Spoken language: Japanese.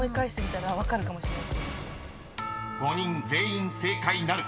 ［５人全員正解なるか？］